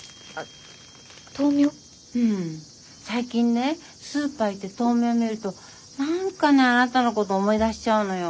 最近ねスーパー行って豆苗見ると何かねあなたのこと思い出しちゃうのよ。